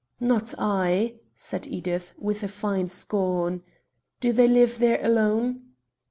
"Not I," said Edith, with a fine scorn. "Do they live there alone?"